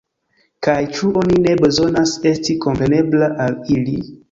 Kaj, ĉu oni ne bezonas esti komprenebla al ili?